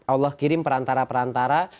allah kirim perantara perantara